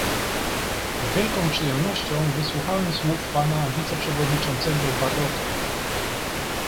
Z wielką przyjemnością wysłuchałem słów pana wiceprzewodniczącego Barrota